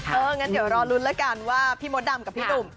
งั้นเดี๋ยวรอลุ้นแล้วกันว่าพี่มดดำกับพี่หนุ่ม